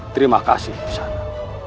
terima kasih usana